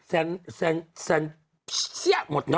แซนแซนแซนเสี้ยหมดเนอะ